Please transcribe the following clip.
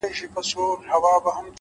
مثبت ذهن د هیلو رڼا ساتي,